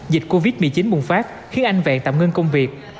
dịch covid một mươi chín bùng phát khiến anh vẹn tạm ngưng công việc